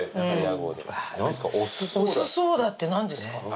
お酢ソーダって何ですか？